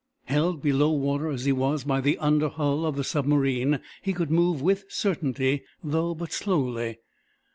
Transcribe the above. Held below water as he was by the under hull of the submarine, he could move with certainty, though but slowly.